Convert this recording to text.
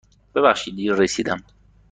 ببخشید دیر رسیدم.